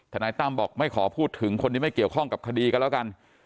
นายตั้มบอกไม่ขอพูดถึงคนที่ไม่เกี่ยวข้องกับคดีกันแล้วกัน